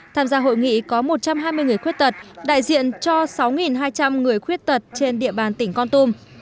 tham gia hội nghị có một trăm hai mươi người khuyết tật đại diện cho sáu hai trăm linh người khuyết tật trên địa bàn tỉnh con tum